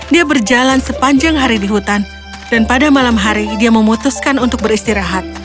dia berjalan sepanjang hari di hutan dan pada malam hari dia memutuskan untuk beristirahat